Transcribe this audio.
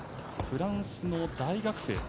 フランスの大学生。